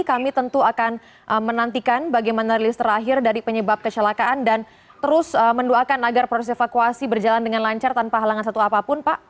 kami tentu akan menantikan bagaimana rilis terakhir dari penyebab kecelakaan dan terus mendoakan agar proses evakuasi berjalan dengan lancar tanpa halangan satu apapun pak